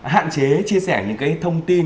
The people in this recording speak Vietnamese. hạn chế chia sẻ những cái thông tin